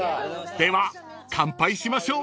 ［では乾杯しましょう］